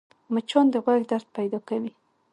مچان د غوږ درد پیدا کوي